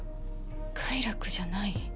快楽じゃない？